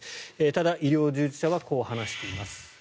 ただ、医療従事者はこう話しています。